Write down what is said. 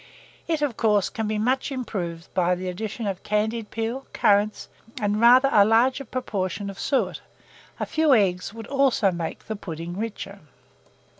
It, of course, can be much improved by the addition of candied peel, currants, and rather a larger proportion of suet: a few eggs would also make the pudding richer.